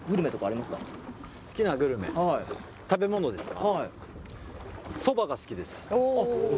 好きなグルメ食べ物ですか？